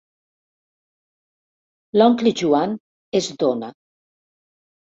L'oncle Joan es dóna.